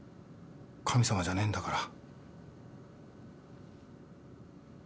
神様じゃねえんだから。